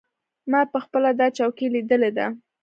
ما پخپله دا چوکۍ لیدلې ده.